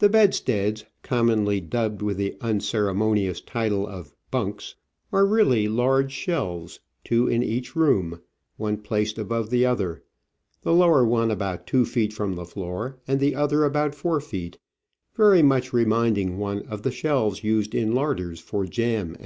The bedsteads, commonly dubbed with the unceremonious titles of bunks, are really large shelves, two in each room, one placed Digitized by VjOOQIC OF AN Orchid Hunter. 5 above the other ; the lower one about two feet from the floor and the other about four feet, very much re minding one of the shelves used in larders for jam, &c.